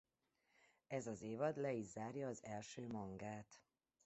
Ez az évad le is zárja az első mangát.